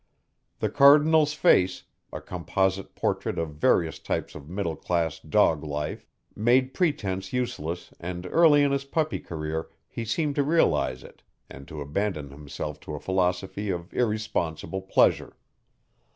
The Cardinal's face a composite portrait of various types of middle class dog life made pretense useless and early in his puppy career he seemed to realize it and to abandon himself to a philosophy of irresponsible pleasure.